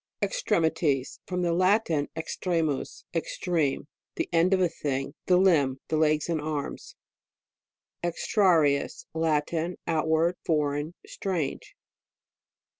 EXTREMITIES. From the Latin, extre mus, extreme ; the end of a thing. The limb ; the legs, and arms. EXTRARIUS Latin. Outward, foreign, strange.